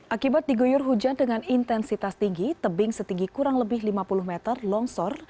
akibat diguyur hujan dengan intensitas tinggi tebing setinggi kurang lebih lima puluh meter longsor